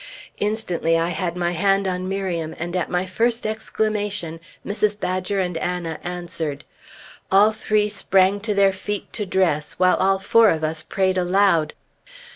Instantly I had my hand on Miriam, and at my first exclamation, Mrs. Badger and Anna answered. All three sprang to their feet to dress, while all four of us prayed aloud.